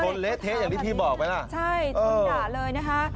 เละเทะอย่างที่พี่บอกไหมล่ะใช่ชนด่าเลยนะคะ